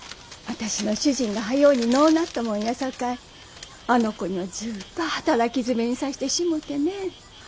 私の主人が早うに亡うなったもんやさかいあの子にはずっと働きづめにさしてしもてねえ。